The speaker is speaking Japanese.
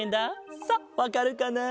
さあわかるかな？